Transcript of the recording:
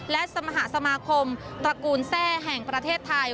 และสมาคมตระกูลแทร่แห่งประเทศไทย